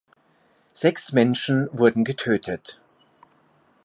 Sechs Menschen wurden getötet.